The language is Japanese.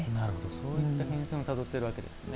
そういった変遷をたどっているわけですね。